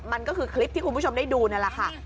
มันก็คือคลิปที่คุณผู้ชมได้ดูนั่นแหละค่ะ